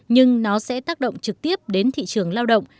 nhưng nó sẽ tác động trực tiếp đến thị trường lao động